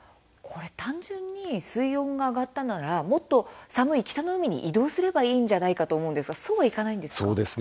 単純に水温が上がったならもっと寒い北の海に移動すればいいんじゃないかと思うんですけれども、そうはいかないんですね。